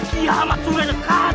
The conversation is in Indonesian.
kiamat sudah dekat